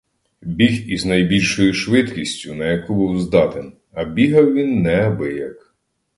Біг із найбільшою швидкістю, на яку був здатен — а бігав він неабияк.